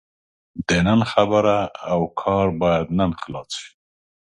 د نن خبره او کار باید نن خلاص شي.